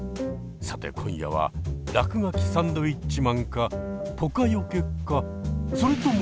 さて今夜は「らくがきサンドウィッチマン」か「ポカヨケ」かそれとも？